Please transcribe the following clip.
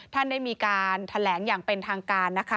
ท่านได้มีการแถลงอย่างเป็นทางการนะคะ